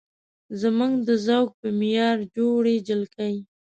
زموږ د ذوق په معیار جوړې جلکۍ